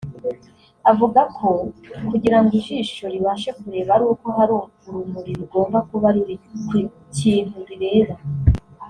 Avuga ko kugira ngo ijisho ribashe kureba ari uko hari urumuri rugomba kuba ruri kukintu rireba